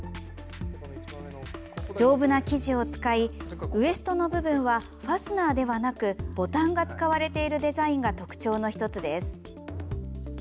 丈夫な生地を使いウエストの部分はファスナーではなくボタンが使われているデザインが特徴の１つです。